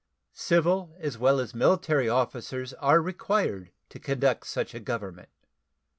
Civil as well as military officers are required to conduct such a government.